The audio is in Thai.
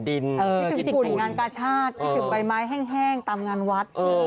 คิดถึงฝุ่นงานกาชาติคิดถึงใบไม้แห้งตามงานวัด